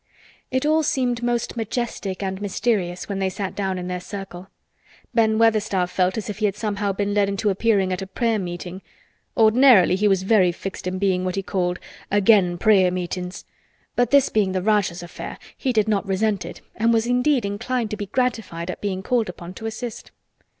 It all seemed most majestic and mysterious when they sat down in their circle. Ben Weatherstaff felt as if he had somehow been led into appearing at a prayer meeting. Ordinarily he was very fixed in being what he called "agen' prayer meetin's" but this being the Rajah's affair he did not resent it and was indeed inclined to be gratified at being called upon to assist.